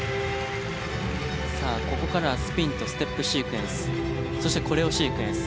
さあここからはスピンとステップシークエンスそしてコレオシークエンス。